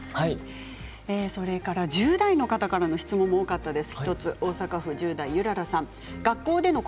１０代の方からの質問も多かったです。